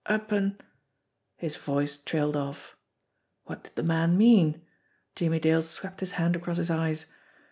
Up an' " His voice trailed off. What did the man mean? Jimmie Dale swept his hand across his eyes.